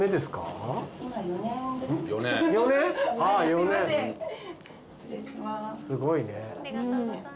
すごいね。